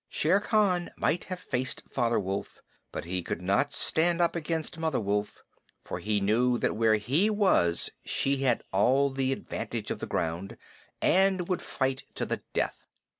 Shere Khan might have faced Father Wolf, but he could not stand up against Mother Wolf, for he knew that where he was she had all the advantage of the ground, and would fight to the death.